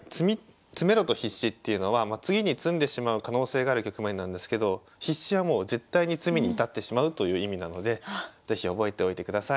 詰めろと必至っていうのは次に詰んでしまう可能性がある局面なんですけど必至はもう絶対に詰みに至ってしまうという意味なので是非覚えておいてください。